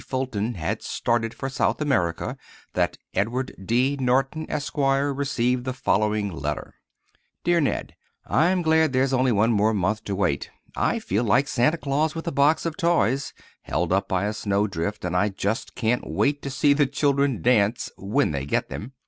Fulton, had started for South America, that Edward D. Norton, Esq., received the following letter:— DEAR NED:—I'm glad there's only one more month to wait. I feel like Santa Claus with a box of toys, held up by a snowdrift, and I just can't wait to see the children dance—when they get them.